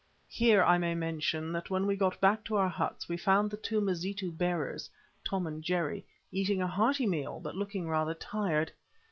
Here, I may mention, that when we got back to our huts we found the two Mazitu bearers, Tom and Jerry, eating a hearty meal, but looking rather tired.